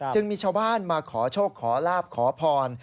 จึงมีชาวบ้านมาขอโชคขอลาบขอพร